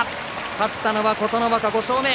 勝ったのは琴ノ若、５勝目。